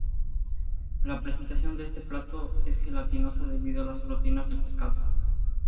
La presentación de este plato es gelatinosa debido a las proteínas del pescado.